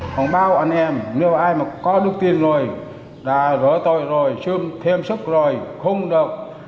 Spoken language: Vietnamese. không bao anh em nếu ai mà có đức tin rồi là rỡ tôi rồi thêm sức rồi không được